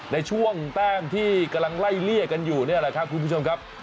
ในช่วงแต้มที่กำลังไล่เลี่ยกันอยู่นี่แหละครับคุณผู้ชมครับ